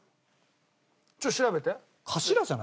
ちょっと調べて。